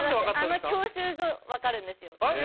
あの教習所分かるんですよ。